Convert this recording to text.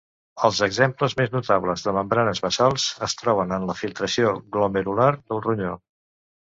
Els exemples més notables de membranes basals es troben en la filtració glomerular del ronyó.